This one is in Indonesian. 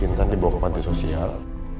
bintan dibawa ke panti sosial